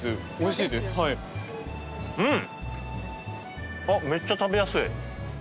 うん！